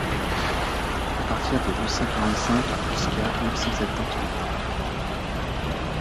À partir de huit cent quarante-cinq jusqu’à neuf cent septante-huit.